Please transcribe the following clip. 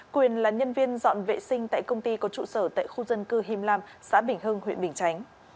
quyền là nhân viên dọn vệ sinh tại công ty có trụ sở tại khu dân cư him lam xã bình hưng huyện bình chánh